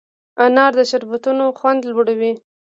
انار د شربتونو خوند لوړوي.